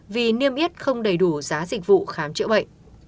vì niêm yết không đầy đủ giá dịch vụ khám chữa bệnh